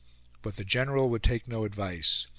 But the General would take no advice.